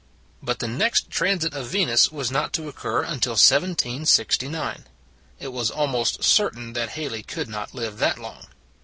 But the next transit of Venus was not to occur until 1769. It was almost certain that Halley could not live that long.